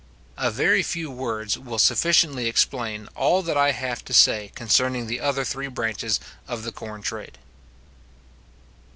A very few words will sufficiently explain all that I have to say concerning the other three branches of the corn trade.